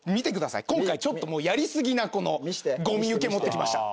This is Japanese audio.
今回ちょっとやり過ぎなゴミ受け持ってきました。